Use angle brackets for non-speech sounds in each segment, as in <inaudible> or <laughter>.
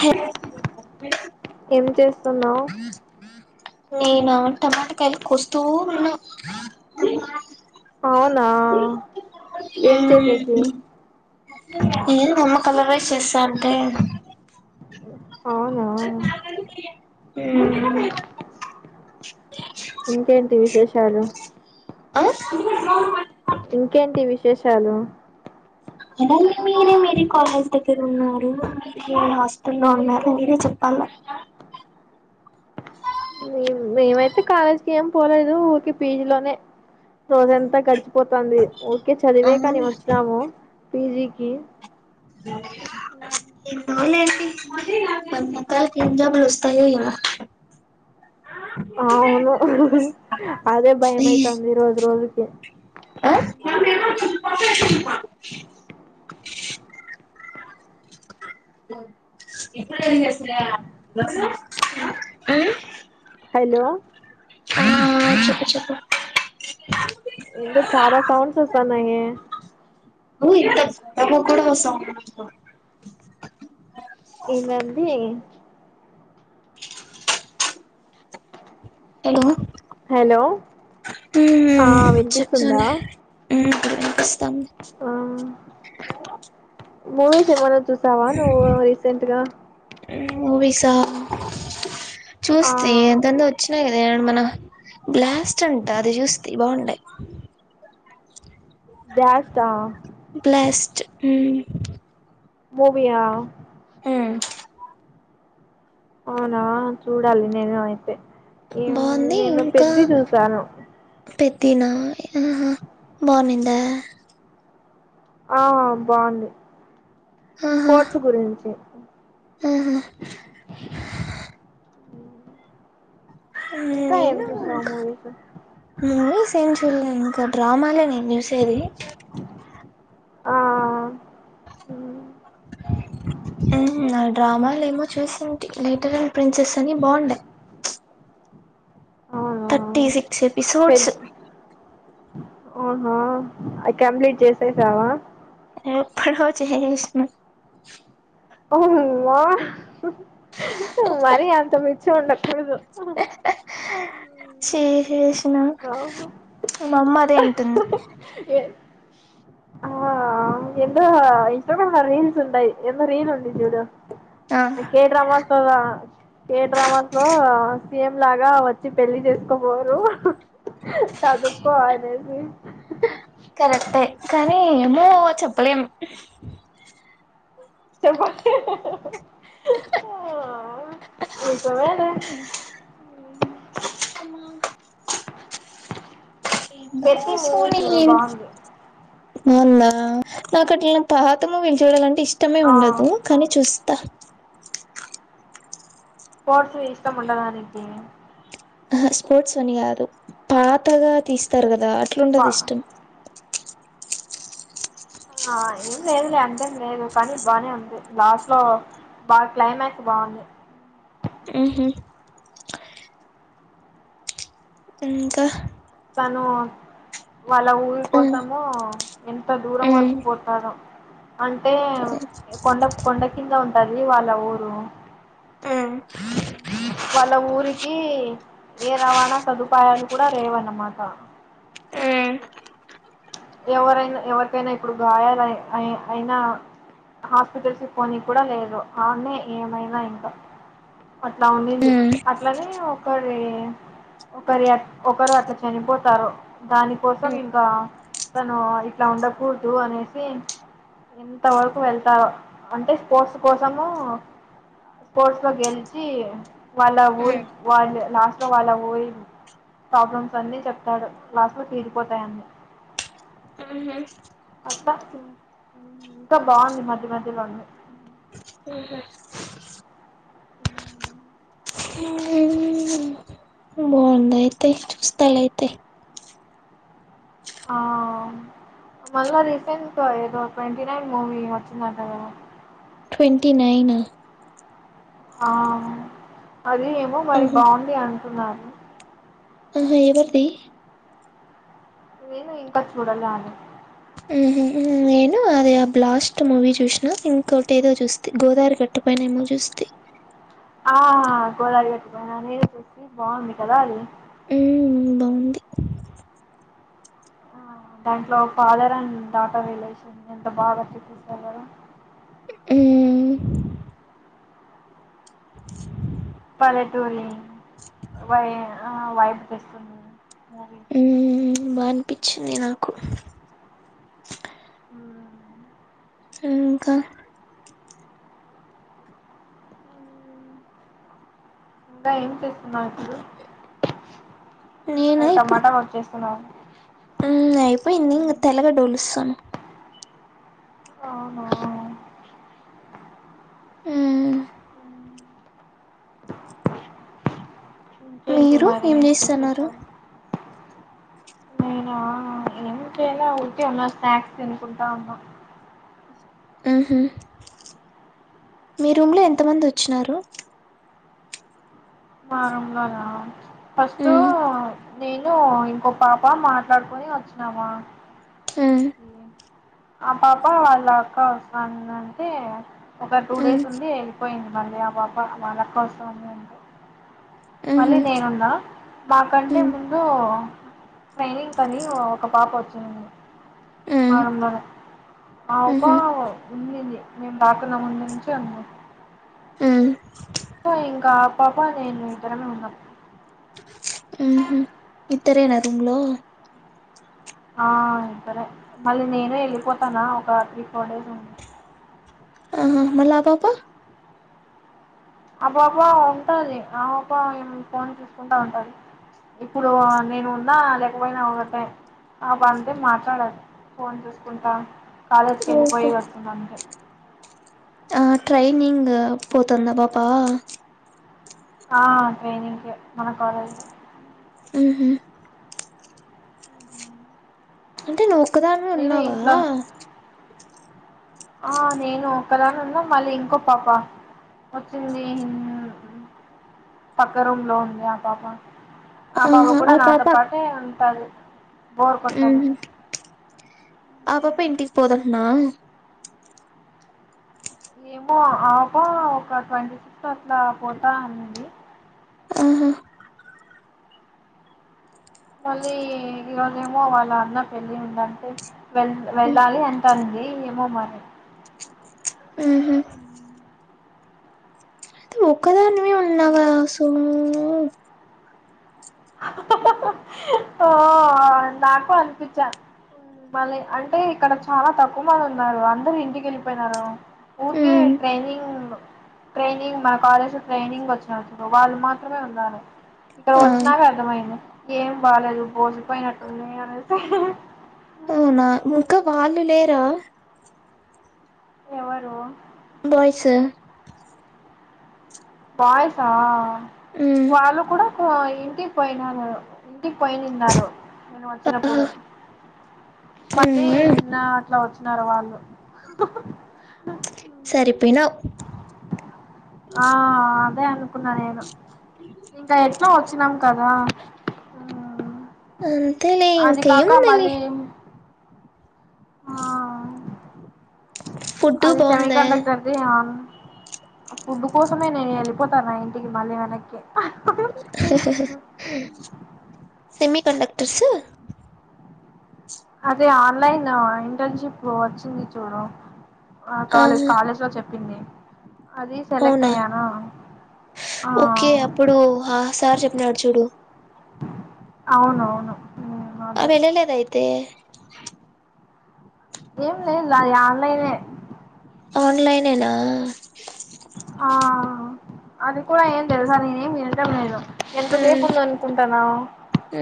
హే ఏం చేస్తున్నావ్ నేనా టమాటకాయలు కొస్తూ ఉన్నా అవునా ఏం చేసేకి ఏం అమ్మ కలర్ రైస్ చేస్తా అంటే అవునా ఉ ఇంకేంటి విశేషాలు ఆ ఇంకేంటి విశేషాలు అలాగ మీరే మీరే కాలేజ్ దగ్గర ఉన్నారు మీ మీ హాస్టల్ లో ఉన్నారు మీరే చె అలాగా రేప్ మేమైతే కాలేజీకి ఏం పోలేదు ఊకే పీజీ లోనే రోజు అంతా గడిచి పోతాంది ఓకే చదివే కానీ అవును వచ్చినాము పీజికి <inaudible> వన్ మంత్ లో ఎగ్జామ్ లు వస్తాయో ఏమో అవును హు హ్ అదే భయం అయితాంది రోజు రోజుకి <unintelligible> <inaudible> ఇప్పుడు ఏం చేస్తలేదా హలో ఆ ఆ చెప్పు చెప్పు ఎంటో చాలా సౌండ్స్ వస్తన్నాయే ఇంత సౌండ్ కూడా వసా ఏమైంది <unintelligible> హలో హలో ఆ ఉమ్ వినిపిస్తుందా చెప్పండి ఇప్పుడు వినిపిస్తోంది ఆ మూవీస్ ఏం అన్న చూసావా నువ్వు రిసెంట్గా ఉమ్ మూవిసా ఆ చూస్తి ఏందేందో వచ్చినాయి అదే మన బ్లాస్ట్ అంట అది చూస్తీ బాగుండే భ్యాస్టా బ్లాస్ట్ మ్ మూవీ ఆ మ్ అవునా చుడాలి నేను అయితే ఇం బాగుంది నేను ఇంకా పెద్ది చూసాను. పెద్దినా ఆ ఆహ బాగుండిందా ఆ బాగుంది ఆహా స్పోర్ట్స్ గురించి ఆహా మ్మ్ ఇంకా ఏం కాదు చూసావు ఇంక మూవీస్ మూవీస్ ఏం చూల్లే ఇంక డ్రామాలే నేను చూసేది ఆఅ ఉం హూ అద్ డ్రామాల ఏమో చూసింటి లిటర్ అం ప్రిన్సెస్ అని బాగుండేయి అవునా థర్టీ సిక్స్ ఎపిసోడ్స్ అవునా అవి కంప్లీట్ చేసేసావా ఎప్పుడో చేసిన మ్ మ్మ హా హ్ హ్ మరి అంత పిచ్చి ఉండకుడదు ఆహా చేసేసిన అహా మా అమ్మ అదే అంటుంది ఆ ఆ ఎందో ఇంస్టాగ్రామ్ రీల్స్ ఉంటయి ఏందో రీలు ఉండిద్ది చూడు ఆ కేడ్రమా సోవ ఏ డ్రామాస్ లో ఆ సీఎం లాగా వచ్చి పెళ్లి చేసుకో కోరు చదువుకో అనేసి కరెక్టే కానీ ఏమో చెప్పలేము చెప్ప ఆ అమ్మ <inaudible> ఎన్నో పెద్ది మూవీ సుడి చూడు బాగుంది బావుందా నాకు అట్లాన్న పాత మూవీస్ చూడాలంటే ఇష్టమే ఆ ఉండదు కానీ చూస్తా స్పోర్ట్స్ ఇష్టము ఉండదా నికి ఆహ్ స్పోర్ట్స్ అని కాదు పాతగా తీస్తారు గదా పా అట్లుండదు ఇష్టం. ఆ ఏం లేదులే అంతేం లేదు కానీ బానే ఉంది లాస్ట్ లో బాగ్ క్లైమాక్స్ బాగుంది ఆహ ఇంకా తను వాళ్ళ ఊరి ఉమ్ కోసము ఉ ఎంత దూరం ఉమ్ వరకు పోతాడో అంటే కొండ కొండ కింద ఉంటది వాళ్ళ ఊరు వాళ్ళ ఊరికి ఏ రవాణా సదుపాయాలు కూడా లేవన్నమాట ఉమ్ ఎవరైనా ఎవరికైనా ఇప్పుడు గాయలు అ అయినా హాస్పిటల్స్ పోనీ కూడా లేదు అన్న ఏమైనా ఇంక అట్ల ఉండింది అట్లనే ఒకరి ఇ ఒకరు అ ఒకరు అట్ల చనిపోతారు దాని కోసం ఇంక ఆ తను ఇట్ల ఉండకూడుదు అనేసి ఎంత వరకు వెళ్తావో అంటే స్పోర్ట్స్ కోసము స్పోర్ట్స్ లో గెలిచి ఇ వాళ్ళ ఊరి వాళ్ళు లాస్ట్ లో వాళ్ళ ఊరి ప్రాబ్లమ్స్ అన్ని చెప్తాడు క్లాస్ లో తీరీపోతాయన్ని హమ్ అత్త ఇంకా బావుంది మధ్య మధ్యలోంది హమ్ ఉమ్ బాగుంది అయితే చూస్తలయితే ఆ మళ్ల రిసెంట్గా ఏదో ట్వంటి నైన్ మూవీ వచ్చిదంటగదా ట్వంటీ నైనా ఆ అద ఏమో మరి బాగుంది అంటున్నారును ఆ హా ఎవరిది నేను ఇంకా చూడలను ఊహూ. నేను అది ఆ బ్లాస్ట్ మూవీ చూసిన ఇంకోొటి ఏదో చూస్త గోదారి గట్టు పనే ఏమో చూస్త <inaudible> ఆహా గోదరి గట్టుపైనా అది చూసి బాగుంది కదా అది మ్మ్ బాగుంది ఆ దాంట్లో ఫాదర్ అండ్ డాటర్ రిలేషన్ ఎంత బాగా చూపిస్తారు కదా ఆ పల్లెటూరి వై అ వైపు తెస్తుంది మూవీ పించింది నాకు హమ్ ఇంకా ఇంగా ఏం చేస్తున్నావు ఇప్పుడు నేనా అది ఇప్పుడు టమాటా వచ్చేస్తున్నావు హ్మ్. అయిపోయింది ఇంగ తెల గడ్డ డోలుస్తాను ఆఓహ హ్మ్. ఇంకేంటి మీరు మరి ఏం జేస్తన్నారు? విశేషాలు నేనా ఏం చేయలే ఊరికే ఉన్న స్నాక్స్ తిినకుంటంటా ఉన్నా మీ రూమ్ లో ఎంత మంది వచ్చినారు మా రూమ్ లోనా ఫస్ట్ హ్మ్. నేను ఇంకో పాప మా తరఫున వచ్చినామా హ్మ్. ఆ పాప వాళ్ళు అక్క వస్తాంద అంటే ఒక టూ హ్మ్. డేస్ ఉండి వెళ్ళిపోయింది మళ్ళీ <unintelligible> కోస్వామి అంటే మళ్ళీ హుహు. నేనున్నా మాకంటే హ్మ్. ముందు ట్రైనింగ్ కనీ ఒక పాప వచ్చింది హ్మ్. మన్నా ఆవు పా హుహు. ఉన్నింది నేను రాకున్న ముందు నుంచి ఉంది ఉ సో ఇంకా ఆపాప నేను ఇద్దరమే ఉన్నాం హుహు. ఇద్దరేనా రూమ్లో ఆ ఇద్దరం మళ్ళీ నేనే వెళ్ళిపోతానా ఒక త్రీ ఫోర్ డేస్ ఉంది ఆ మళ్ళ ఆపాప ఆ పాప ఉంటది ఆ పా ఫోన్ చూసుకుంటా ఉంటది ఇప్పుడు నేను ఉన్నా లేకపోయినా ఒకటే ఆపా అంతే మాట్లాడదు ఫోన్ చేసుకుంటా కాలేజీకి వెళ్లి పోయి ఓహో! వచ్చినాంకే ఇంగ్ పోతందా ఆపాప ఆ ట్రెనింగ్కే మన కాలేజ్ ఉహు అంటే నువ్వు ఒక్కదానివే మీరు ఉన్నావా ఇంట్లో ఆ నేను ఒకదాన్ని ఉన్నా మళ్ళీ ఇంకో పాప వచ్చింది హిన్ పక్క రూమ్ లో ఉంది ఆపాప అపాప ఆహా కూడా ఆ పాప నాతోపాటే ఉంటాది ఉహు ఆపాప ఇంటికి పోదంట్న ఏమో ఆపా ఒక ట్వంటీ సిక్స్త్ అట్లా పోతా అనింది ఉహు మళ్ళీ ఈరోజేమో వాళ్ళ అన్న పెళ్ళి ఉందంటే వెళ్ వెళ్ళాలి అంటాంది ఏ ఏమో మరి ఉహు ఉన్నాగా సాము ఆ నాకు అనిపించా మళ్ళీ అంటే ఇక్కడ చాలా తక్కువ మంది ఉన్నారు అందరు ఇంటికి వెళ్ళిపోయినారు ఊకే ఉమ్ ట్రైనింగ్ ట్రైనింగ్ మన కాలేజ్ ట్రైనింగ్ వచ్చినడు వాళ్ళు మాత్రమే ఉన్నారు ఇట ఆ వచ్చినాకే అర్థమయ్యింది ఏం బాలేదు భోచిపోయినట్టుంది అనేసి ఉనా ముక్క వాళ్ళు లేరా ఎవరు బాయ్స్ బాయ్సా ఉమ్ వాళ్ళు కూడా ఇంటికి పోయినారు ఇంటికి పోయినిన్నారు నేను ఆహా వచ్చినప్పుడు మళ్ళీ ఉమ్ నిన్న అట్లా వచ్చి నారు వాళ్ళు సరి ఆ అదే అనుకున్నా నేను ఇంకా ఎట్లా వచ్చినాం కదా హూ అంతేలే ఇంకేముందిలే ఆ ఫుడ్డు అది సెమీ బాగుందా కండక్టర్దిహ ఫుడ్ కోసమే నేను వెళ్ళిపోతాను నా ఇంటికి మళ్ళీ వెనక్కి సెమీ కండక్టర్స్ అదే ఆన్లైన్ ఇంటర్న్షప్ వచ్చింది చూడు ఆ కాలే ఆహా కాలేజ్లో చెప్పింది అదే సెలెక్ట్ అవునా అయ్యనా ఓకే అప్పుడు సార్ చెప్పినడు చూడు అవునువును ఆ వెళ్ళేలేదైతే ఏం లేదు అది ఆన్లైనే ఆన్లైననా ఆ అది కూడా ఏం తెల్వదు నేను ఏం వింటాలేదు ఎంతసేపు ఉమ్ ఉంద అనుకుంటానా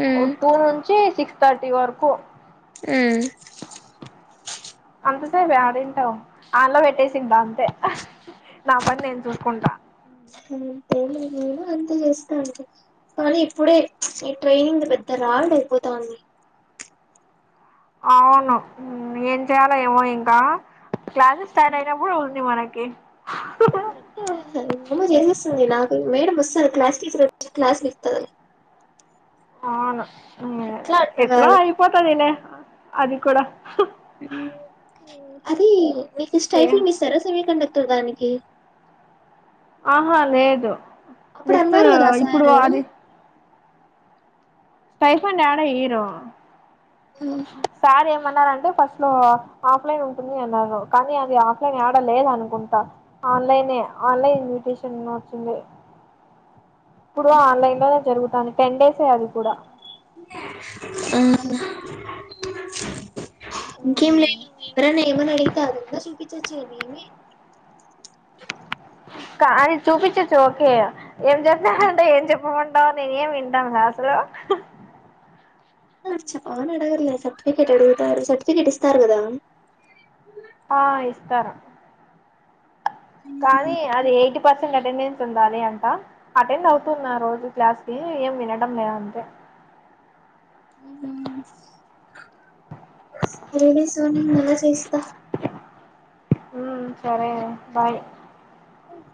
ఉమ్ టూ నుంచి సిక్స్ థర్టీ వరకు ఆమ్ అంతే ఎడుంటావ్ హాల్లో పెట్టేసింట అంతే నా పని నేను చూసుకుంటా <unintelligible> చేస్తా కానీ ఇప్పుడే ఈ ట్రైనింగ్ పెద్ద రాడ్ అయిపోతాంది అవును ఏం చేయాలా ఏమో ఇంకా క్లాసెస్ స్టార్ట్ అయినప్పు ఉంది మనకి కీ మో చేసేస్తుంది నాకు మేడం వస్తారు క్లాస్ టీచర్ క్లాస్లు ఇస్తుంది అవును ఎట్లా అర్థం ఎట్లా కాదు అయిపోతదినే అది కూడా అది మీకు ఏ స్టైఫల్ ఇస్తారా సమీ కండక్టర్ దానికి ఆహా లేదు అప్పుడు జస్ట్ అన్నారు కదా ఇప్పుడు సారు అది టైఫన్ యాడ ఇరు సార్ ఏమన్నారంటే ఫస్ట్ లో ఆఫ్లైన్ ఉంటుంది అలాగొ కానీ అది ఆఫ్లైన్ ఏడ లేదనుకుంటా ఆన్లైనే ఆన్లైన్ ఇన్విటేషన్ వచ్చింది ఇప్పుడు ఆన్లైన్ లోనే జరుగుతానది టెన్ డేసే అది కూడా ఊహ్మ్మ్ ఇంకేం లే ఎవరన్నా ఏమైనా అడిగితే అదుందా సు ప చచ్చివి ఏమీ అది చూపించచ్చు ఓకే ఏం చెప్పారంటే ఏం చెప్పమంట నేని వింటాం అసలు చెప్పని అవును అడగరు సర్టిఫికేట్ అడుగుతారు సర్టిఫికేట్ ఇస్తారు కదా ఆ ఇస్తారు కానీ అది ఎయిటీ పర్సెంట్ అటెండెన్స్ ఉండాలి అంట అటెండ్ అవుతున్న రోజు క్లాస్ ఏ ఏం వినడం లేదంట సరే సోనీ మల్లి చేస్తా ఉ సరే బాయ్ ఏ